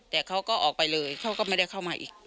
แต่เขาก็ออกไปเลยเขาก็ไม่ได้เข้ามาอีก